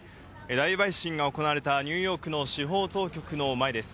大陪審が行われた、ニューヨークの司法当局の前です。